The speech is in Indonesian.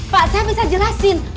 pak saya bisa jelasin